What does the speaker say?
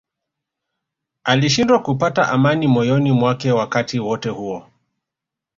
Alishindwa kupata amani moyoni mwake wakati wote huo